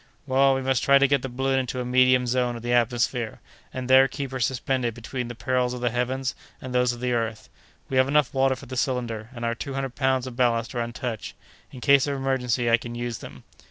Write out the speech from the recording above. "Well, we must try to get the balloon into a medium zone of the atmosphere, and there keep her suspended between the perils of the heavens and those of the earth. We have enough water for the cylinder, and our two hundred pounds of ballast are untouched. In case of emergency I can use them."